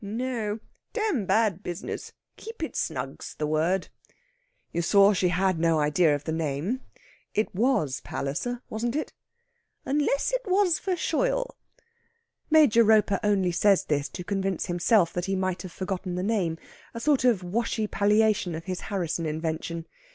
"No! Dam bad business! Keep it snug's the word." "You saw she had no idea of the name. It was Palliser, wasn't it?" "Unless it was Verschoyle." Major Roper only says this to convince himself that he might have forgotten the name a sort of washy palliation of his Harrisson invention.